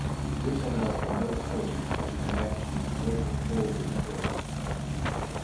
This allows remote hosts to connect to local forwarded ports.